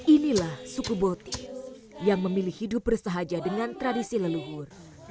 inilah suku boti yang memilih hidup bersahaja dengan tradisi leluhur